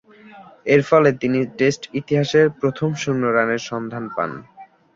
এরফলে তিনি টেস্ট ইতিহাসের প্রথম শূন্য রানের সন্ধান পান।